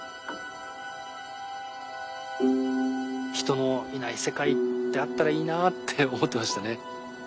人のいない世界ってあったらいいなって思ってましたね。